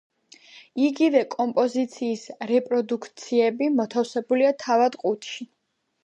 იგივე კომპოზიციის რეპროდუქციები მოთავსებულია თავად ყუთში.